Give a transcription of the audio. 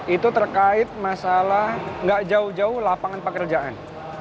itu terkait masalah nggak jauh jauh lapangan pekerjaan